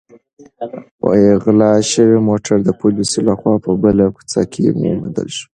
غلا شوی موټر د پولیسو لخوا په بله کوڅه کې وموندل شو.